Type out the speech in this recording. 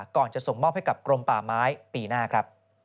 ก่อนจะส่งมอบให้กับกรมป่าไม้ปีหน้าครับ